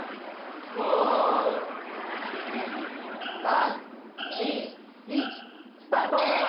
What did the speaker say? オ！３２１スタート！